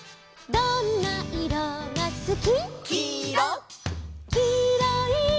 「どんないろがすき」「」